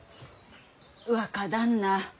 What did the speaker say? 若旦那